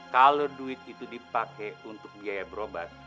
kalo duit itu dipake untuk biaya berobat